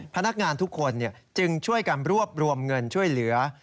พนักงานทุกคนจึงช่วยกันรวบรวมเงินช่วยเหลือ